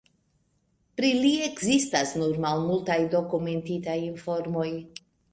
Pri li ekzistas nur malmultaj dokumentitaj informoj.